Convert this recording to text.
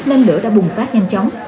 nên lửa đã bùng phát nhanh chóng